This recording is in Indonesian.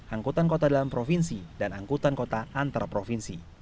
angkutan kota dalam provinsi dan angkutan kota antar provinsi